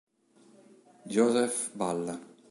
József Balla